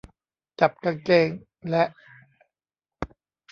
จับกางเกงและ